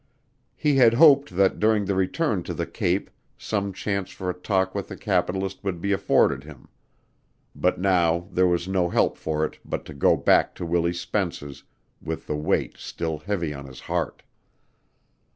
He had hoped that during the return to the Cape some chance for a talk with the capitalist would be afforded him. But now there was no help for it but to go back to Willie Spence's with the weight still heavy on his heart.